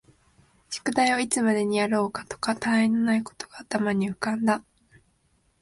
宿題をいつまでにやろうかとか、他愛のないことが頭に浮んだ